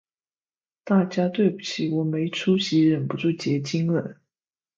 大家对不起，我没出息，忍不住结晶了